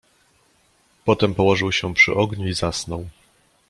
"Potem położył się przy ogniu i zasnął."